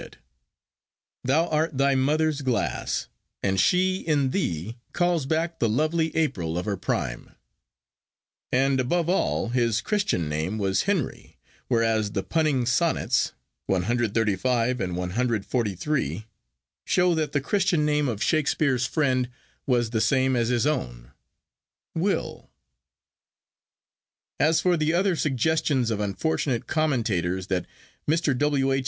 did— Thou art thy mother's glass, and she in thee Calls back the lovely April of her prime; and, above all, his Christian name was Henry, whereas the punning sonnets (CXXXV. and CXLIII.) show that the Christian name of Shakespeare's friend was the same as his own—Will. 'As for the other suggestions of unfortunate commentators, that Mr. W. H.